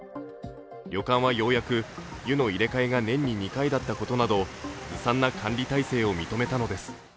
旅館は、ようやく湯の入れ替えが年に２回だったことなどずさんな管理体制を認めたのです。